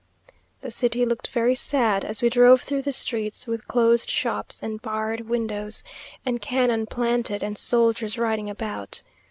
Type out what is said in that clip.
The city looked very sad, as we drove through the streets; with closed shops, and barred windows, and cannon planted, and soldiers riding about.